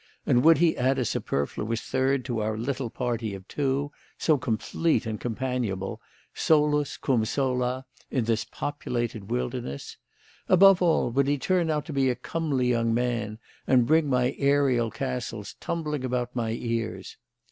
and would he add a superfluous third to our little party of two, so complete and companionable, solus cum sola, in this populated wilderness? Above all, would he turn out to be a comely young man, and bring my aerial castles tumbling about my ears?